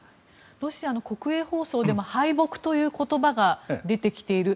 ロシアの国営放送でも敗北という言葉が出てきている。